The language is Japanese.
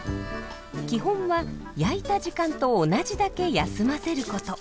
基本は焼いた時間と同じだけ休ませること。